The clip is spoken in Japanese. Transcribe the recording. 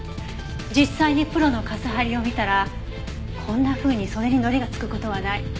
実際にプロの傘張りを見たらこんなふうに袖に糊がつく事はない。